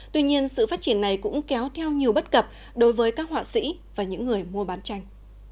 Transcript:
tuy nhiên sự phát triển này cũng kéo theo nhiều bất cập đối với các họa sĩ và những người mua bán tranh